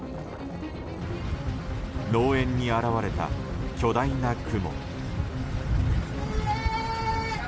農園に現れた巨大な雲。